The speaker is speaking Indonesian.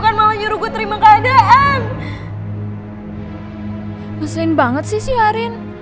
ngeselin banget sih si arin